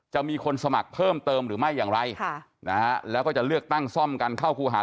จะมีคนสมัครเพิ่มเติมหรือไม่อย่างไรค่ะนะฮะแล้วก็จะเลือกตั้งซ่อมกันเข้าครูหา